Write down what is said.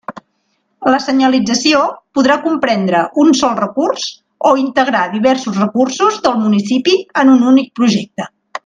La senyalització podrà comprendre un sol recurs o integrar diversos recursos del municipi en un únic projecte.